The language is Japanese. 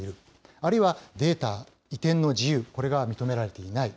あるいはデータ移転の自由、これが認められていない。